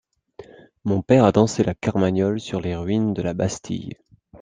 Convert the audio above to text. Mon père a dansé la carmagnole sur les ruines de la Bastille!